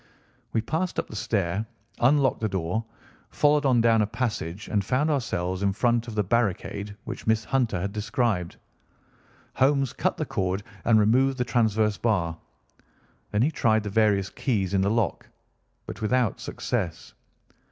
We passed up the stair, unlocked the door, followed on down a passage, and found ourselves in front of the barricade which Miss Hunter had described. Holmes cut the cord and removed the transverse bar. Then he tried the various keys in the lock, but without success.